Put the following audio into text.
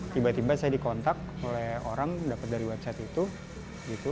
tiba tiba saya dikontak oleh orang dapat dari website itu gitu